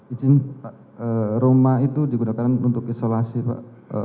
izin pak rumah itu digunakan untuk isolasi pak